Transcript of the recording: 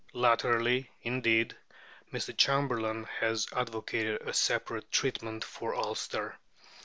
Latterly, indeed, Mr. Chamberlain has advocated a separate treatment for Ulster.